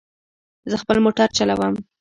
زه خپل موټر چلوم